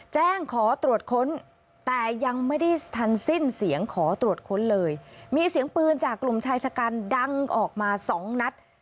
แจ้งขอตรวจค้นแต่ยังไม่ได้ทันสิ้นเสียงขอตรวจค้นเลยมีเสียงปืนจากกลุ่มชายชะกันดังออกมาสองนัด